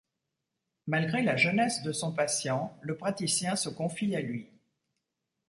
Malgré la jeunesse de son patient, le praticien se confie à lui.